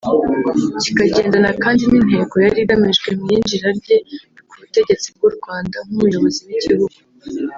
kikagendana kandi n’intego yari igamijwe mu iyinjira rye ku butegetsi bw’u Rwanda nk’umuyobozi w’igihugu